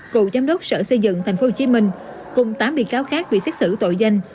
cựu giám đốc sở xây dựng thành phố hồ chí minh cùng tám bị cáo khác bị xét xử tội danh